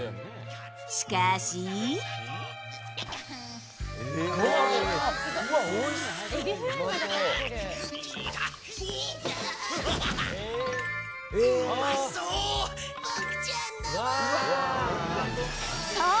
しかし。うまそう。